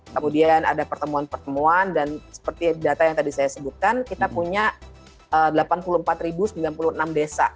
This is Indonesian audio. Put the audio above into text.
kemudian ada pertemuan pertemuan dan seperti data yang tadi saya sebutkan kita punya delapan puluh empat sembilan puluh enam desa